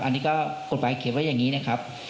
อันนี้ก็กฎหมายเขียนไว้อย่างนี้นะครับ